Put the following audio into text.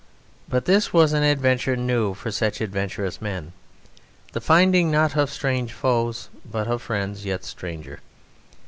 But this was an adventure new for such adventurous men the finding not of strange foes but of friends yet stranger.